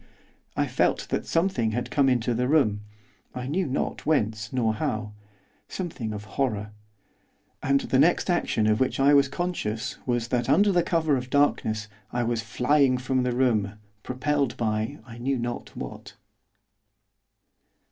I felt that something had come into the room, I knew not whence nor how, something of horror. And the next action of which I was conscious was, that under cover of the darkness, I was flying from the room, propelled by I knew not what.